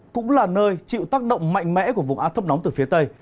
cũng là nơi chịu tác động mạnh mẽ của vùng áp thấp nóng từ phía tây